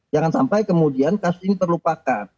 jangan sampai kemudian kasus ini terlupakan